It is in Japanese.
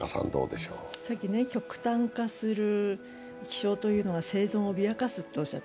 極端化する気象というのは生存を脅かすとおっしゃった。